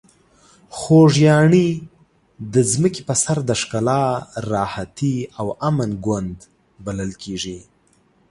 خوږیاڼي د ځمکې په سر د ښکلا، راحتي او امن ګوند بلل کیږي.